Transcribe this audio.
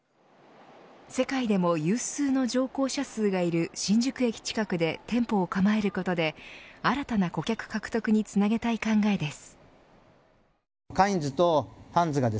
世界でも有数の乗降者数がいる新宿駅近くで店舗を構えることで新たな顧客獲得につなげたい考えです。